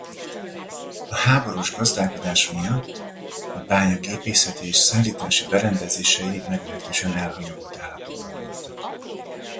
A háborús gazdálkodás miatt a bánya gépészeti és szállítási berendezései meglehetősen elhanyagolt állapotban voltak.